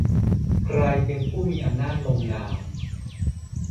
ใครเป็นผู้มีอำนาจลงนาม